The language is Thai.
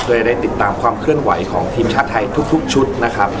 เพื่อจะได้ติดตามความเคลื่อนไหวของทีมชาติไทยทุกชุดนะครับ